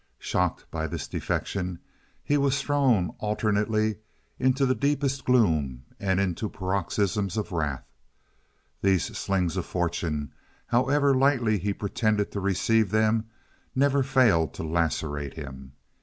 Shocked by this defection, he was thrown alternately into the deepest gloom and into paroxysms of wrath. These slings of fortune, however lightly he pretended to receive them, never failed to lacerate him.